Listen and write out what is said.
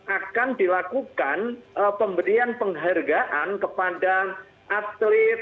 akan dilakukan pemberian penghargaan kepada atlet